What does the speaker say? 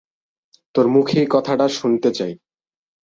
তোর মুখেই কথাটা শুনতে চাই।